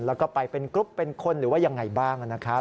แล้วก็ไปเป็นกรุ๊ปเป็นคนหรือว่ายังไงบ้างนะครับ